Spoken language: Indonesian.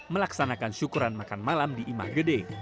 melaksanakan syukuran makan malam di imahgede